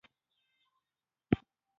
د غم درد يو وړوکے شان تصوير دے ۔